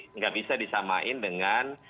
tidak bisa disamakan dengan